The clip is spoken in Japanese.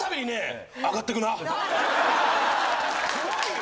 怖いよ。